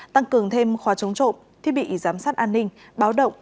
tăng cường thêm khóa chống trộm thiết bị giám sát an ninh báo động